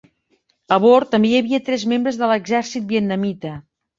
A bord també hi havia tres membres de l'exèrcit vietnamita.